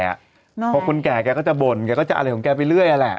คือคนแก่แกจะบ่นอะไรของแกไปเรื่อยแล้ว